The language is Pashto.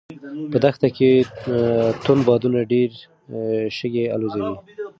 په دښته کې توند بادونه ډېرې شګې الوځوي.